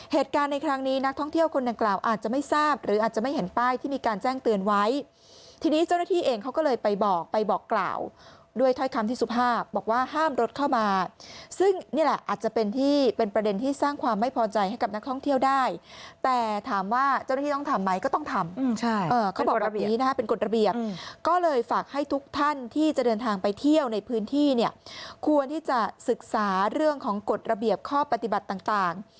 เหตุการณ์ในครั้งนี้นักท่องเที่ยวคนกล่าวอาจจะไม่ทราบหรืออาจจะไม่เห็นป้ายที่มีการแจ้งเตือนไว้ทีนี้เจ้าหน้าที่เองเขาก็เลยไปบอกไปบอกกล่าวด้วยท้อยคำที่สุภาพบอกว่าห้ามรถเข้ามาซึ่งนี่แหละอาจจะเป็นที่เป็นประเด็นที่สร้างความไม่พอใจให้กับนักท่องเที่ยวได้แต่ถามว่าเจ้าหน้าที่ต้องทำไหมก็ต้อง